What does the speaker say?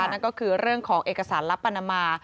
นั่นก็คือเรื่องของเอกสารลับปานามา